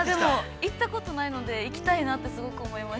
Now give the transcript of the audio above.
◆行ったことないので行きたいなと思いました。